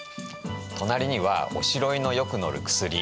隣には「おしろいのよくのるくすり」